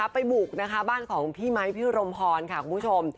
ไปบุกนะคะบ้านของพี่ไมค์พี่รมพรค่ะคุณผู้ชม